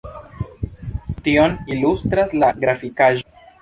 Tion ilustras la grafikaĵo.